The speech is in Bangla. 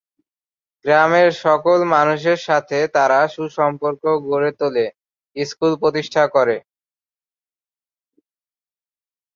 গ্রামের সকল মানুষের সাথে তারা সুসম্পর্ক গড়ে তোলে, স্কুল প্রতিষ্ঠা করে।